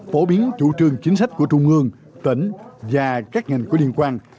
phổ biến chủ trương chính sách của trung ương tỉnh và các ngành có liên quan